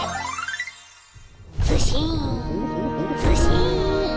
ズシンズシン！